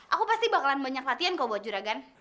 aku pasti bakalan banyak latihan kok buat juragan